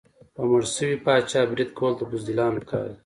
په مړ شوي پاچا برید کول د بزدلانو کار دی.